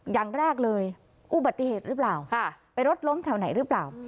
อย่างแรกเลยอุบัติเหตุหรือเปล่าไปรถล้มแถวไหนหรือเปล่า